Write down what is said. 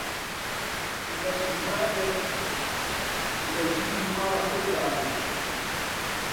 بە بزمارێک لە ژووری ماڵە خۆی دابوو